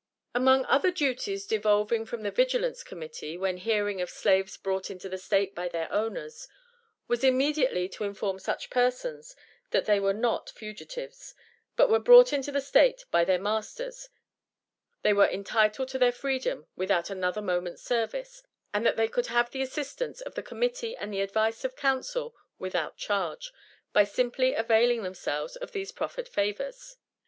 Among other duties devolving on the Vigilance Committee when hearing of slaves brought into the State by their owners, was immediately to inform such persons that as they were not fugitives, but were brought into the State by their masters, they were entitled to their freedom without another moment's service, and that they could have the assistance of the Committee and the advice of counsel without charge, by simply availing themselves of these proffered favors.